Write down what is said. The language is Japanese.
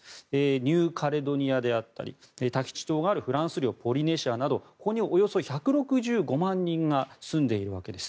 ニューカレドニアであったりタヒチ島があるフランス領ポリネシアなどここにおよそ１６５万人が住んでいるわけです。